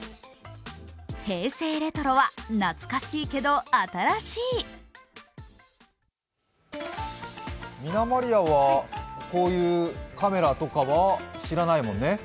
平成レトロは、懐かしいけど新しいみなまりあはこういうカメラとかは知らないもんね？